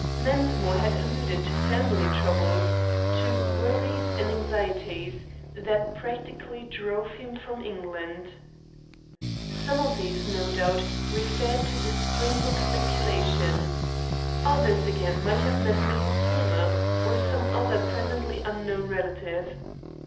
Mensmore had alluded to "family troubles," to "worries," and "anxieties," that practically drove him from England. Some of these, no doubt, referred to the Springbok speculation. Others, again, might have meant Mrs. Hillmer or some other presently unknown relative.